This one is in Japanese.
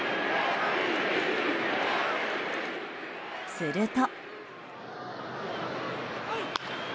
すると。